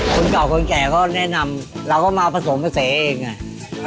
คนเก่าคนแก่เขาแนะนำเราก็มาผสมเมื่อเสร็จเองน่ะ